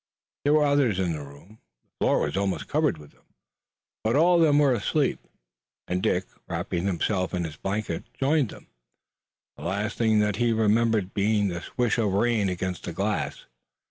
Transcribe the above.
There were others in the room the floor was almost covered with them but all of them were asleep already, and Dick, wrapping himself in his blanket, joined them, the last thing that he remembered being the swish of the rain against the glass.